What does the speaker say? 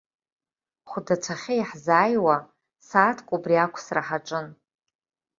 Хәдацәахьы иаҳзааиуа, сааҭк убри ақәсра ҳаҿын.